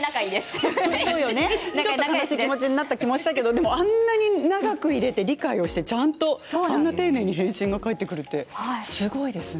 ちょっと悲しい気持ちになった気もしたけどでもあんなに長く入れて理解して返信が丁寧に返ってくるってすごいですね。